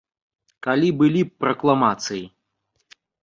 Калі былі б пракламацыі!